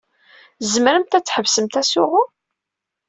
Tzemremt ad tḥebsemt asuɣu?